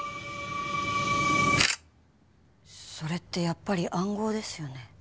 それってやっぱり暗号ですよね？